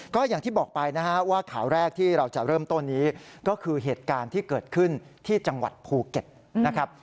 ก็อย่างที่บอกไปนะฮะว่าข่าวแรกที่เราจะเริ่มต้นนี้ก็คือเหตุการณ์ที่เกิดขึ้นที่จังหวัดภูเก็ตนะครับ